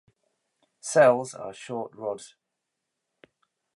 Cells are short rods.